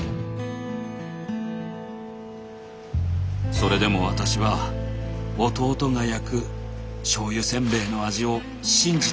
それでも私は弟が焼く醤油せんべいの味を信じていました。